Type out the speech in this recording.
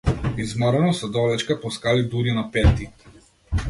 Изморено се довлечка по скали дури на петти.